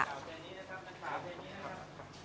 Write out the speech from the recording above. ขอแสวนี้นะครับมันขาวแสวนี้นะครับ